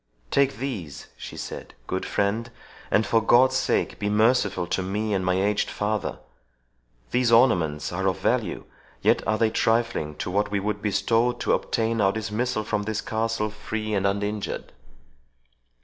"Take these," she said, "good friend, and for God's sake be merciful to me and my aged father! These ornaments are of value, yet are they trifling to what he would bestow to obtain our dismissal from this castle, free and uninjured."